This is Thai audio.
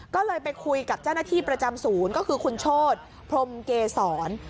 ก็เลยไปคุยกับเจ้าหน้าที่ประจำศูนย์ก็คือคุณโชธพรมเกษร